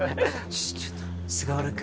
ちょっと菅原君。